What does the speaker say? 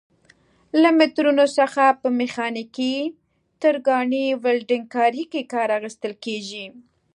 له مترونو څخه په میخانیکي، ترکاڼۍ، ولډنګ کارۍ کې کار اخیستل کېږي.